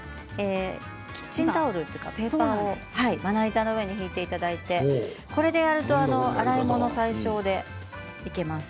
キッチンタオルというかペーパーをまな板の上に敷いていただいてこれをやると洗い物最小でいけます。